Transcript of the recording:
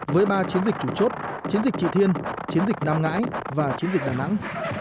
với ba chiến dịch chủ chốt chiến dịch trị thiên chiến dịch nam ngãi và chiến dịch đà nẵng